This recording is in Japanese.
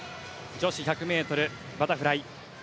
女子１００ｍバタフライ。